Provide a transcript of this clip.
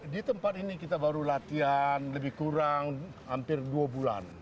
di tempat ini kita baru latihan lebih kurang hampir dua bulan